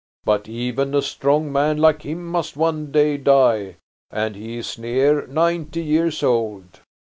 But even a strong man like him must one day die, and he is near ninety years old."